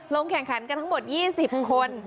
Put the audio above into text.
ลงแข่งขันกันทั้งหมด๒๐คน